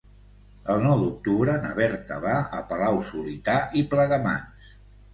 El nou d'octubre na Berta va a Palau-solità i Plegamans.